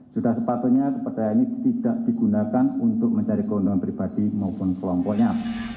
sudah sepatutnya kepercayaan ini tidak digunakan untuk mencari keuntungan pribadi maupun kelompoknya